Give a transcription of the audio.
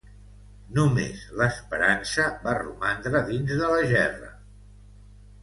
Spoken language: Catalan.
Només l'Esperança va romandre dins de la gerra.